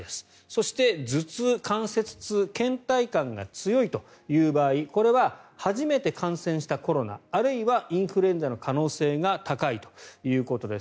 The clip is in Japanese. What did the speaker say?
そして頭痛、関節痛けん怠感が強いという場合これは初めて感染したコロナあるいはインフルエンザの可能性が高いということです。